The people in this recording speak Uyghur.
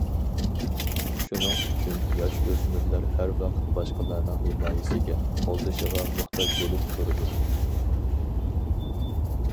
شۇنىڭ ئۈچۈن ياش- ئۆسمۈرلەر ھەر ۋاقىت باشقىلارنىڭ ھىمايىسىگە، قوللىشىغا موھتاج بولۇپ تۇرىدۇ.